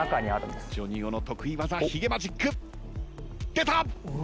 出た！